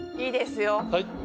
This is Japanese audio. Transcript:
いいですよ。